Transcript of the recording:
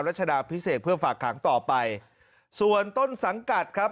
รัชดาพิเศษเพื่อฝากขังต่อไปส่วนต้นสังกัดครับ